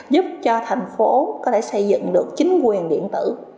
giúp cho thành phố có thể xây dựng được chính quyền điện tử